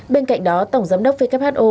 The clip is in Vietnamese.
bên cạnh đó tổng giám đốc who